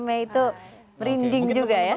mei itu merinding juga ya